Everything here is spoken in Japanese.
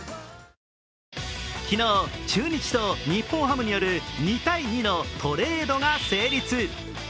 昨日、中日と日本ハムによる２対２のトレードが成立。